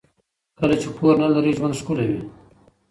کله چې پور نه لرئ ژوند ښکلی وي.